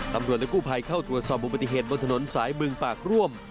ตำรวจและกู้ภัยเข้าตรวจสอบอุบัติเหตุบนถนนสายบึงปากร่วม